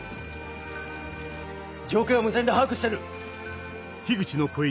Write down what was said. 状況は無線で把握してる。